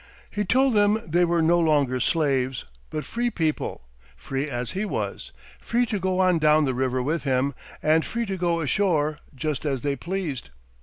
He told them they were no longer slaves, but free people, free as he was, free to go on down the river with him, and free to go ashore, just as they pleased.